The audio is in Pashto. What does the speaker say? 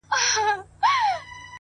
ځي له وطنه خو په هر قدم و شاته ګوري؛